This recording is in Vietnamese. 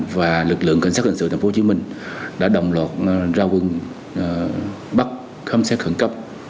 và lực lượng cảnh sát hành sự tp hcm đã đồng luật ra quân bắt khám xét khẩn cấp